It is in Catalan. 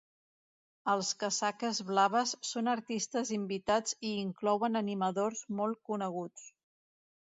Els Casaques blaves són artistes invitats i inclouen animadors molt coneguts.